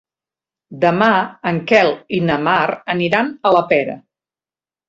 Demà en Quel i na Mar aniran a la Pera.